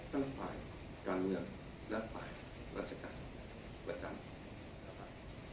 ทั้งฝ่ายการเมืองและฝ่ายราชการประจำนะครับ